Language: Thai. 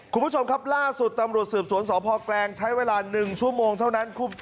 คุณผู้ชมครับล่าสุดตำรวจสืบสวนสพแกลงใช้เวลา๑ชั่วโมงเท่านั้น